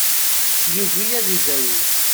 Yugi ad idawi.